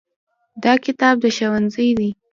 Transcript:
دا کتاب د ښوونځي دی.